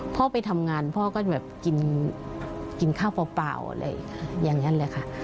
พ่อไปทำงานพ่อก็จะแบบกินข้าวเปล่าอะไรอย่างนั้นเลยค่ะ